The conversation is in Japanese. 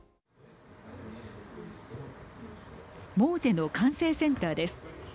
ＭｏＳＥの管制センターです。